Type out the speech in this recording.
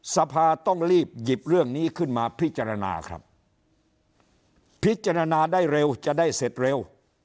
สภาต้องรีบหยิบเรื่องนี้ขึ้นมาพิจารณาครับพิจารณาได้เร็วจะได้เสร็จเร็ว